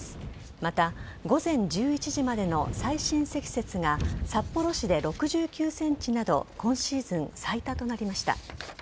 また午前中１時までの最深積雪が札幌市で６９ｃｍなど今シーズン最多となりました。